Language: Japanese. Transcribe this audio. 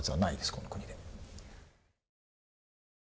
この国では。